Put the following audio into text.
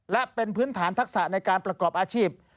และเป็นพื้นฐานทักษะในการประกอบอาชีพ